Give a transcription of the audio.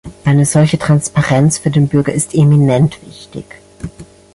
Eine solche Transparenz für den Bürger ist eminent wichtig.